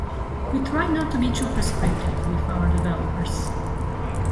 We try not to be too prescriptive with our developers.